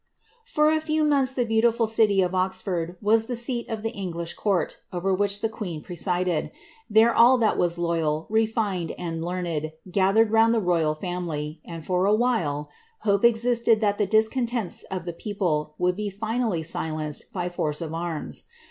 For a few months the beautiful city of Oxford was the seat of the Eng lish court, over which the queen presided. There all that was loyal, refined, and learned, gathered round the royal family, and, for a while, hope existed that the discontents of the people would be finally silenced by force of arms.